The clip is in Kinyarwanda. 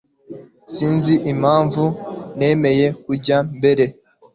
Sinzi impamvu nemeye kujya mbere.